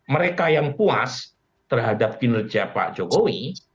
mereka yang puas terhadap kinerja pak jokowi